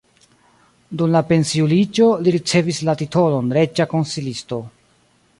Dum la pensiuliĝo li ricevis la titolon reĝa konsilisto.